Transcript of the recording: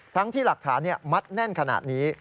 ที่หลักฐานมัดแน่นขนาดนี้